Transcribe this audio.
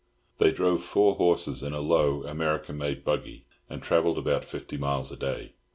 They drove four horses in a low, American made buggy, and travelled about fifty miles a day.